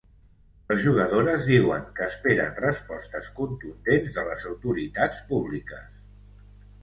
Les jugadores diuen que esperen respostes contundents de les autoritats públiques